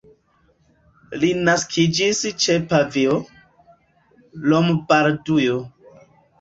Li naskiĝis ĉe Pavio, Lombardujo.